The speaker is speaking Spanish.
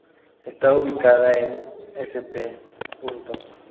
Está ubicada en St.